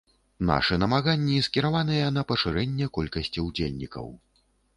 Нашы намаганні скіраваныя на пашырэнне колькасці ўдзельнікаў.